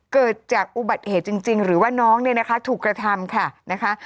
เกิดจากอุบัติเหตุจริงหรือว่าน้องถูกกระทำค่ะ